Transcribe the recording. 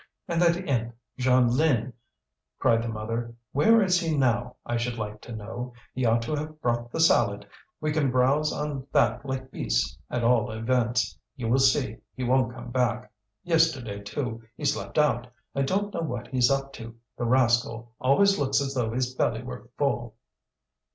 "And that imp, Jeanlin," cried the mother; "where is he now, I should like to know? He ought to have brought the salad; we can browse on that like beasts, at all events! You will see, he won't come back. Yesterday, too, he slept out. I don't know what he's up to; the rascal always looks as though his belly were full."